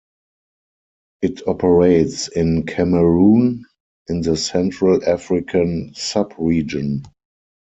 It operates in Cameroon in the Central African sub-region.